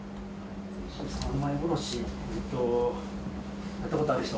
三枚おろし、やったことある人？